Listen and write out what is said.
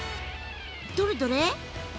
どれどれ？